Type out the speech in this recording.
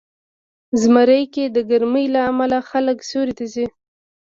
زمری کې د ګرمۍ له امله خلک سیوري ته ځي.